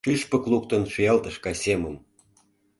Шӱшпык луктын шиялтыш гай семым.